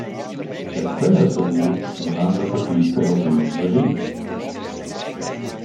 Da quella savur nun han da patir però be ils vaschins.